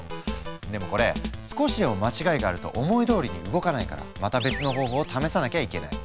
でもこれ少しでも間違いがあると思いどおりに動かないからまた別の方法を試さなきゃいけない。